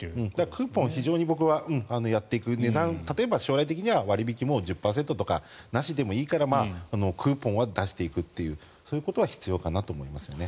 クーポンは非常に僕はやっていく例えば、将来的には割引も１０％はなくてもなしでもいいからクーポンは出していくということは必要かなと思います。